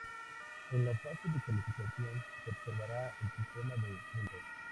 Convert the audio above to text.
En la Fase de Calificación se observará el Sistema de Puntos.